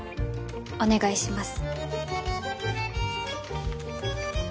お願いします。